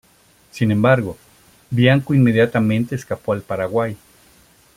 Sin embargo, Bianco inmediatamente escapó al Paraguay.